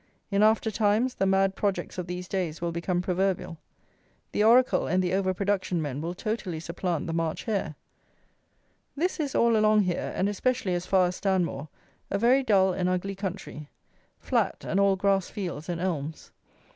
In after times, the mad projects of these days will become proverbial. The Oracle and the over production men will totally supplant the March hare. This is, all along here, and especially as far as Stanmore, a very dull and ugly country: flat, and all grass fields and elms.